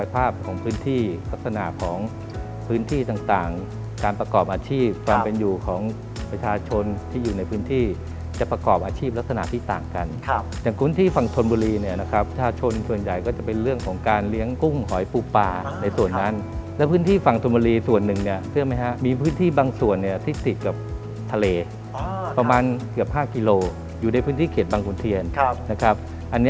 พื้นที่ต่างการประกอบอาชีพความเป็นอยู่ของประชาชนที่อยู่ในพื้นที่จะประกอบอาชีพลักษณะที่ต่างกันอย่างพื้นที่ฝั่งทนบุรีนะครับประชาชนส่วนใหญ่ก็จะเป็นเรื่องของการเลี้ยงกุ้งหอยปูปลาในส่วนนั้นและพื้นที่ฝั่งทนบุรีส่วนหนึ่งมีพื้นที่บางส่วนที่ติดกับทะเลประมาณเกือบ๕กิโลอยู่ในพื้น